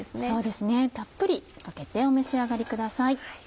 そうですねたっぷりかけてお召し上がりください。